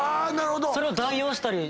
それを代用したり。